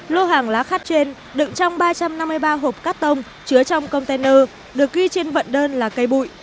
lô hàng lá khát trên đựng trong ba trăm năm mươi ba hộp cắt tông chứa trong container được ghi trên vận đơn là cây bụi